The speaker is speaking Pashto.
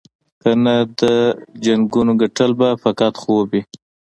کنه د جنګونو ګټل به فقط خوب وي.